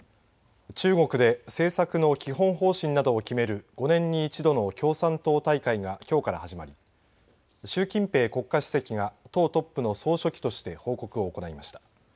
中国で政策の基本方針などを決める５年に１度の共産党大会がきょうから始まり、習近平国家主席が党トップの総書記として報告を行いました。